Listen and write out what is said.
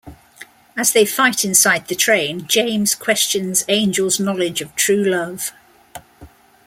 As they fight inside the train, James questions Angel's knowledge of true love.